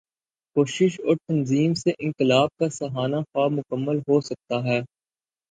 کوشش اور تنظیم سے انقلاب کا سہانا خواب مکمل ہو سکتا ہے۔